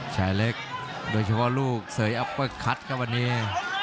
ชายเล็กโดยเฉพาะลูกเสยอัปเปอร์คัทครับวันนี้